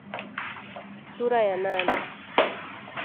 Sura ya nane